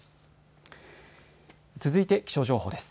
続いて気象情報です。